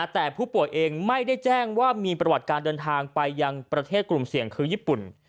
แต่ผู้ป่วยเองไม่ได้แจ้งว่ามีประวัติการเดินทางไปยังประเทศกลุ่มเสี่ยงคือญี่ปุ่น